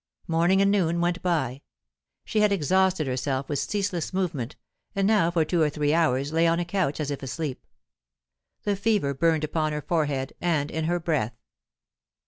Morning and noon went by. She had exhausted herself with ceaseless movement, and now for two or three hours lay on a couch as if asleep. The fever burned upon her forhead and in her breath.